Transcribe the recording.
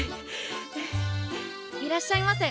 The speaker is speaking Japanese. いらっしゃいませ。